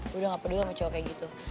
udah gak peduli sama cowok kayak gitu